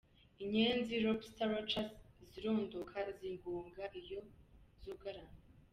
Inyenzi "lobster roaches" zirondoka ningoga iyo zugaranywe.